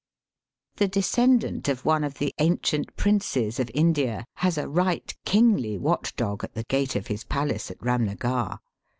The descendant of one of the ancient princes of India has a right kingly watchdog at the gate of his palace at Eamnagar.